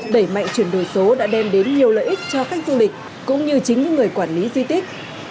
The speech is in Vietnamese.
đẩy mạnh chuyển đổi số đã đem đến nhiều lợi ích cho khách du lịch cũng như chính những người quản lý di tích